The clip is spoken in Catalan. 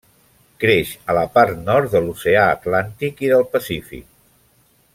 Creix a la part nord de l'Oceà Atlàntic i del Pacífic.